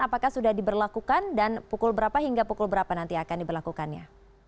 apakah sudah diberlakukan dan pukul berapa hingga pukul berapa nanti akan diberlakukannya